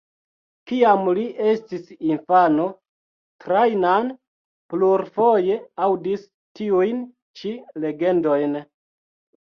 Kiam li estis infano, Trajan plurfoje aŭdis tiujn ĉi legendojn.